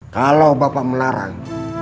kalau bapak melarang